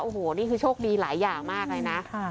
โอ้โหนี่คือโชคดีหลายอย่างมากเลยนะ